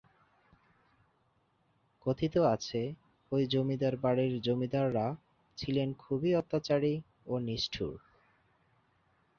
কথিত আছে এই জমিদার বাড়ির জমিদাররা ছিলেন খুবই অত্যাচারী ও নিষ্ঠুর।